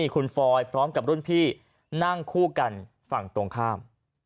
คุณฟอยพร้อมกับรุ่นพี่นั่งคู่กันฝั่งตรงข้าม